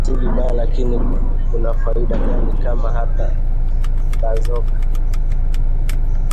Si vibaya lakini kuna faida gani kama hata bazoka